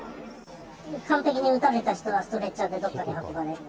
撃たれは人はストレッチャーでどこかに運ばれて。